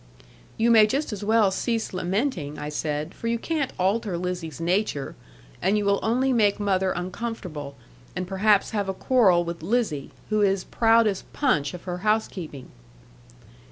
'You may just as well cease lamenting,' I said, 'for you can't alter Lizzie's nature, and you will only make mother uncomfortable, and perhaps have a quarrel with Lizzie, who is proud as Punch of her housekeeping.'